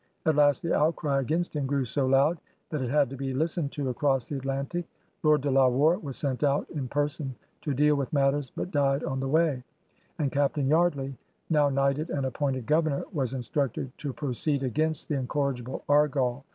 At last the outcry against him grew so loud that it had to be listened to across the Atlantic. Lord De La Warr was sent out in person to deal with matters but died on the way; and Captain Yeardley, now knighted and appointed Governor, was instructed to proceed against the incorrigible Argall.